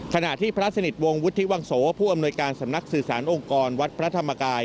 ขณะที่พระสนิทวงศ์วุฒิวังโสผู้อำนวยการสำนักสื่อสารองค์กรวัดพระธรรมกาย